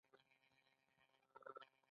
دوی دولتونه او استوګنځایونه جوړ کړل.